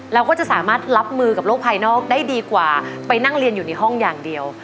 เราก็จะสามารถรับมือกับโลกภายนอกได้ดีกว่าไปนั่งเรียนอยู่ในห้องอย่างเดียว